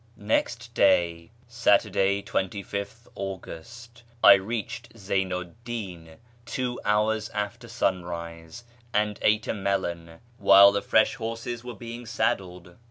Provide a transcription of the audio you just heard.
Next day (Saturday, 25th August) I reached Zeynu 'd Di'n two hours after s\inrise, and ate a melon while the fresh horses were being saddled.